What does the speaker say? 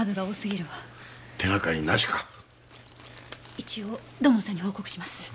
一応土門さんに報告します。